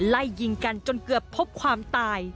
ไล่ยิงกันจนเกือบพบความตาย